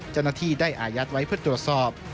เจ้าหน้าที่ได้อายัดไว้เพื่อตรวจสอบ